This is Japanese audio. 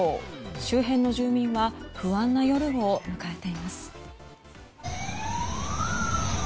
周辺の住民は不安な夜を迎えています。